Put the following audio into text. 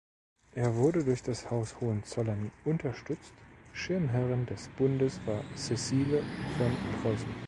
Er wurde durch das Haus Hohenzollern unterstützt, Schirmherrin des Bundes war Cecilie von Preußen.